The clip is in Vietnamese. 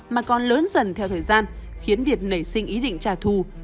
mà còn lớn dần theo thời gian khiến việt nảy sinh ý định trả thù